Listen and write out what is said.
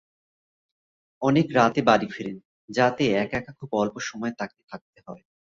অনেক রাতে বাড়ি ফেরেন, যাতে এক-একা খুব অল্প সময় তাঁকে থাকতে হয়।